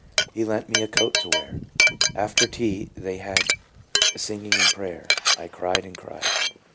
He lent me a coat to wear. After tea they had singing and prayer. I cried and cried.